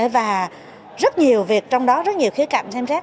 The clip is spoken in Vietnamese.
và rất nhiều việc trong đó rất nhiều khía cạnh xem rác